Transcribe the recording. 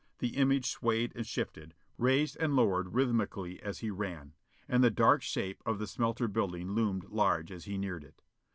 The image swayed and shifted, raised and lowered rhythmically as he ran. And the dark shape of the smelter building loomed large as he neared it.